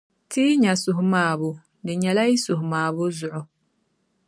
ti yi nya suhumaabo, di nyɛla yi suhumaabo zuɣu.